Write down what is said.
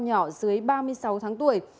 tín là con nhỏ dưới ba mươi sáu tháng tuổi